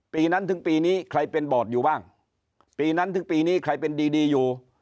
ปีนั้นถึงปีนี้ใครเป็นบอร์ดอยู่บ้างปีนั้นถึงปีนี้ใครเป็นดีดีอยู่